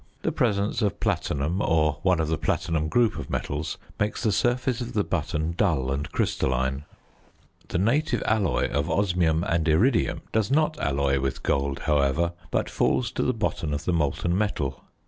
The presence of platinum or one of the platinum group of metals makes the surface of the button dull and crystalline. The native alloy of osmium and iridium does not alloy with gold, however, but falls to the bottom of the molten metal.